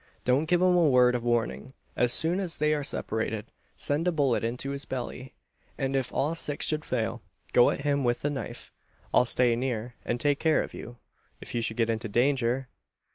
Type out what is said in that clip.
Don't give him a word of warning. As soon as they are separated, send a bullet into his belly; and if all six should fail, go at him with the knife. I'll stay near, and take care of you, if you should get into danger.